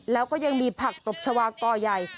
แล้วก็ยังมีผักตบชาวาก่อใหญ่